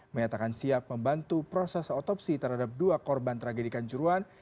menyatakan siap membantu proses otopsi terhadap dua korban tragedikan juruan